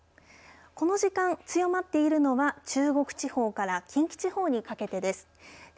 この時間、強まっているのは中国地方から近畿地方にかけてです。